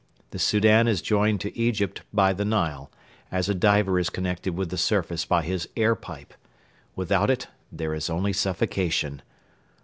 The Soudan is joined to Egypt by the Nile, as a diver is connected with the surface by his air pipe. Without it there is only suffocation.